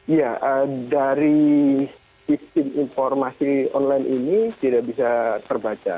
iya dari sistem informasi online ini tidak bisa terbaca